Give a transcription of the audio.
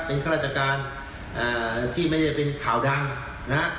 เป็นข้าราชการที่ไม่ได้เป็นข่าวดังนะฮะ